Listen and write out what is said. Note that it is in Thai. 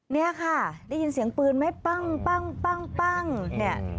เนี่ยค่ะได้ยินเสียงปืนไหมปั้งปั้งปั้งปั้งเนี่ย